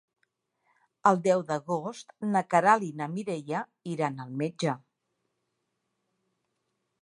El deu d'agost na Queralt i na Mireia iran al metge.